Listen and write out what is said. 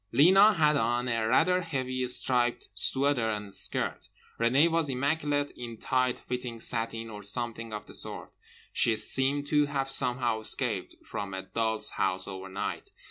Lena had on a rather heavy striped sweater and skirt. Renée was immaculate in tight fitting satin or something of the sort; she seemed to have somehow escaped from a doll's house overnight.